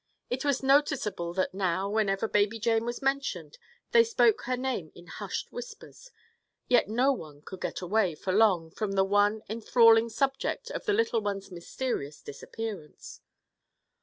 It was noticeable that now, whenever baby Jane was mentioned, they spoke her name in hushed whispers; yet no one could get away, for long, from the one enthralling subject of the little one's mysterious disappearance.